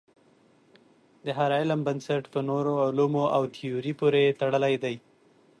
د هر علم بنسټ په نورو علومو او تیوریو پورې تړلی دی.